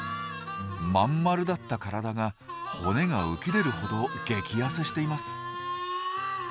まんまるだった体が骨が浮き出るほど激ヤセしています。